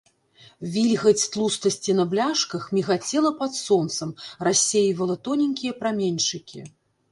Вільгаць тлустасці на бляшках мігацела пад сонцам, рассейвала тоненькія праменьчыкі.